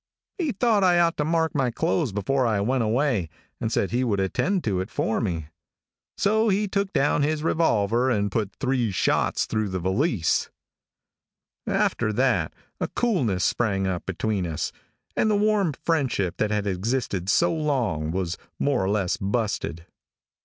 "He thought I ought to mark my clothes before I went away, and said he would attend to it for me. So he took down his revolver and put three shots through the valise. [Illustration: 0161] "After that a coolness sprang up between us, and the warm friendship that had existed so long was more or less busted.